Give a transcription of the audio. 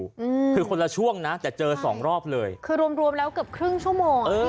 อืมคือคนละช่วงนะแต่เจอสองรอบเลยคือรวมรวมแล้วเกือบครึ่งชั่วโมงเออ